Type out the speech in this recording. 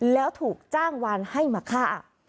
แล้วถูกจ้างวานให้มาฆ่า